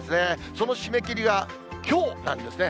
その締め切りがきょうなんですね。